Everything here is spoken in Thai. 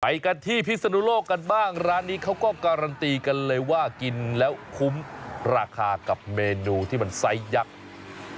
กันที่พิศนุโลกกันบ้างร้านนี้เขาก็การันตีกันเลยว่ากินแล้วคุ้มราคากับเมนูที่มันไซส์ยักษ์